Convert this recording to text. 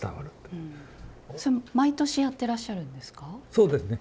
そうですね。